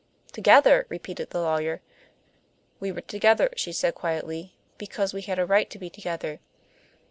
"Together!" repeated the lawyer. "We were together," she said quietly, "because we had a right to be together."